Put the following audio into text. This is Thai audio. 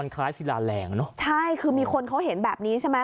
คล้ายศิลาแรงเนอะใช่คือมีคนเขาเห็นแบบนี้ใช่ไหม